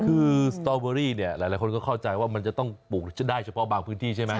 คือสตอเบอรี่เนี่ยหลายคนก็เข้าใจว่ามันจะต้องปลูกได้เฉพาะบางพื้นที่ใช่ไหม